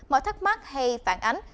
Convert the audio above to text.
mọi thắc mắc hay phản ánh